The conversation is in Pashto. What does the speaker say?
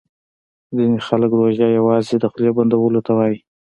ځیني خلګ روژه یوازي د خولې بندولو ته وايي